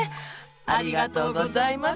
ありがとうございます。